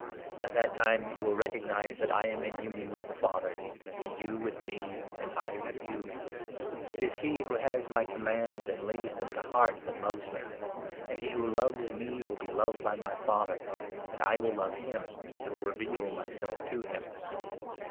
At that time you will 20 recognize that I am in union with the Father, and you with me, and I with you. It is he who has my commands and 21 lays them to heart that loves me ; and he who loves me will be loved by my Father, and I will love him, and will reveal my self to him."